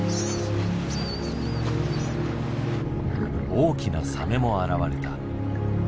大きなサメも現れた。